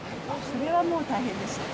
それはもう大変でした。